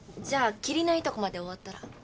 じゃあ切りのいいとこまで終わったら。